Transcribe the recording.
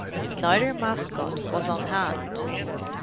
Neither mascot was on hand.